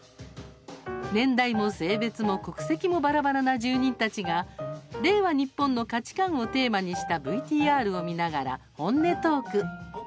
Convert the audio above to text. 年代も性別も国籍もばらばらな住人たちが令和ニッポンの価値観をテーマにしたＶＴＲを見ながら本音トーク。